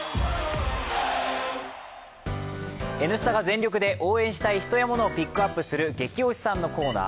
「Ｎスタ」が全力で応援したい人やものをピックアップする「ゲキ推しさん」のコーナー。